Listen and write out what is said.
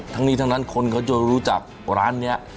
ทั้งนี้ทั้งนั้นคนเขาจะรู้จักร้านนี้